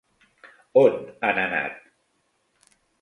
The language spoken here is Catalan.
On han anat?